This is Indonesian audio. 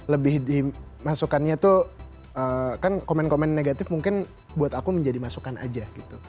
lebih di masukannya tuh kan komen komen negatif mungkin buat aku menjadi masukan aja gitu